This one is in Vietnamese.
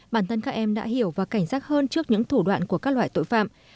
bản thân các em đã hiểu và cảnh giác hơn trước những thủ đoạn của các loại tội phạm